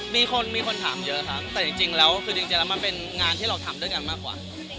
มีคนมีคนถามเยอะครับแต่จริงแล้วคือจริงแล้วมันเป็นงานที่เราทำด้วยกันมากกว่า